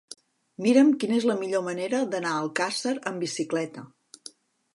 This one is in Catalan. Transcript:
Mira'm quina és la millor manera d'anar a Alcàsser amb bicicleta.